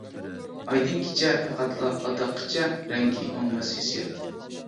ئايدىڭ كېچە پەقەتلا ئاداققىچە رەڭگى ئۆڭمەس ھېسسىيات.